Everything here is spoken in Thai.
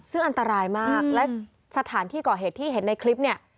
ซึ่งอันตรายมากและสถานที่ก่อเหตุที่เห็นในคลิปเนี่ย